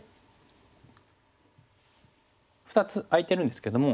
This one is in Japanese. ２つ空いてるんですけども